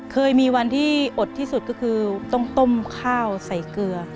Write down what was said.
เคยมีวันที่อดที่สุดก็คือต้องต้มข้าวใส่เกลือ